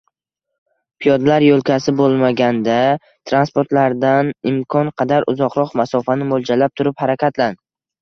Piyodalar yo‘lkasi bo‘lmaganda transportlardan imkon qadar uzoqroq masofani mo‘ljallab turib harakatlan.